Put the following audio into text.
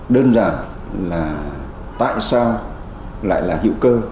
đơn giản là tại sao lại là hữu cơ